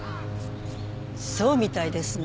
そうみたいですね。